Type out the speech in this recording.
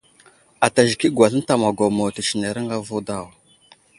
Ata zik i agwazl ənta magwamo tətsenereŋ avo daw.